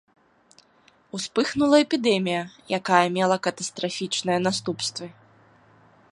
Успыхнула эпідэмія, якая мела катастрафічныя наступствы.